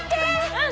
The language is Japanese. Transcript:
うん。